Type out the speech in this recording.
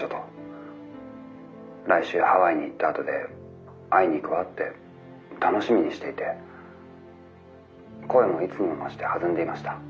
来週ハワイに行ったあとで会いに行くわって楽しみにしていて声もいつにも増して弾んでいました。